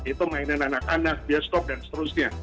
itu mainan anak anak bioskop dan seterusnya